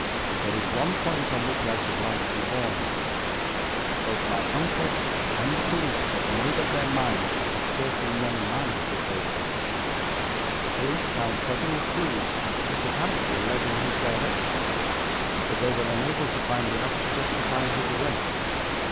There is one point on which I should like to warn you. Both my uncle and the police have made up their minds that a certain young man is the culprit. The police found several clues which apparently led in his direction, but they were unable to find enough to justify his arrest.